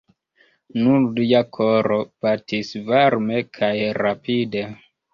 Nur lia koro batis varme kaj rapide.